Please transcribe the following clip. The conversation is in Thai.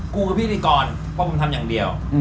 กูกับพิธีกรเพราะผมทำอย่างเดียว